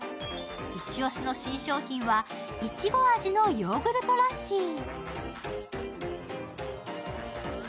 イチオシの新商品はいちご味のヨーグルトラッシー。